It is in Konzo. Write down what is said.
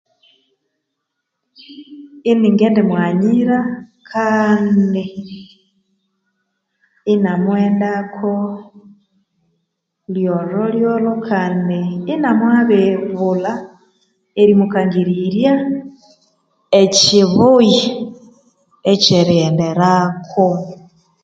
Ini ngendi mughanyira kandi inamughendako lyolho-lyolho kandi inamu muhabulha erimukangirirya ekyibuya ekyerighenderako